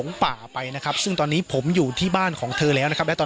ปกติพี่สาวเราเนี่ยครับเป็นคนเชี่ยวชาญในเส้นทางป่าทางนี้อยู่แล้วหรือเปล่าครับ